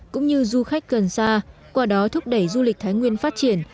cũng như du khách gần xa qua đó thúc đẩy du lịch thái nguyên phát triển